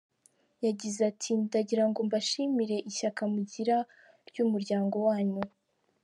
Yagize ati “Ndagirango mbashimire ishyaka mugira ry’umuryango wanyu.